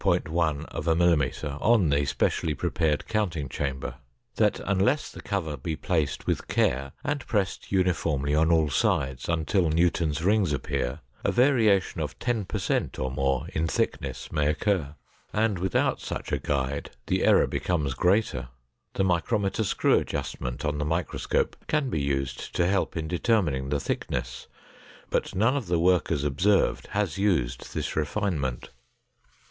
1 mm on the specially prepared counting chamber; that unless the cover be placed with care and pressed uniformly on all sides until Newton's rings appear, a variation of ten per cent or more in thickness may occur, and without such a guide the error becomes greater. The micrometer screw adjustment on the microscope can be used to help in determining the thickness, but none of the workers observed has used this refinement.